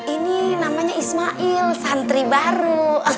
ini namanya ismail santri baru